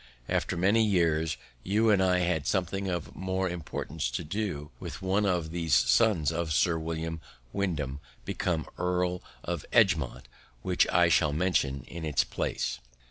After many years, you and I had something of more importance to do with one of these sons of Sir William Wyndham, become Earl of Egremont, which I shall mention in its place.